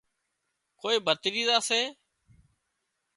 ڪوئي ڀتريزا سي